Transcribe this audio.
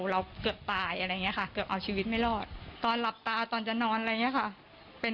หรือหรือหรือหรือหรือหรือ